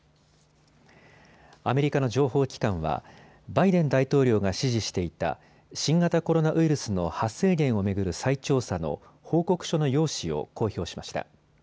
アメリカの情報機関はバイデン大統領が指示していた新型コロナウイルスの発生源を巡る再調査の報告書の要旨を公表しました。